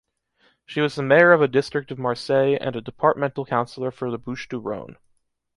She was the mayor of a district of Marseille and a departmental counsellor for the Bouches-du-Rhône.